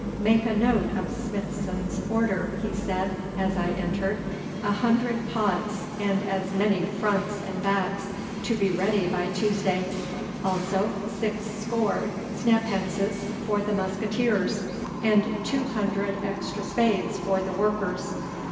'Make a note of Smithson's order,' he said, as I entered. 'A hundred pots and as many fronts and backs to be ready by Tuesday; also six score snaphances for the musqueteers, and two hundred extra spades for the workers.